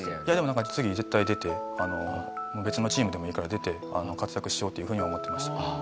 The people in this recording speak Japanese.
いやでもなんか次絶対出て別のチームでもいいから出て活躍しようっていうふうに思ってました。